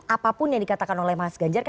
apapun yang dikatakan oleh mas ganjar kan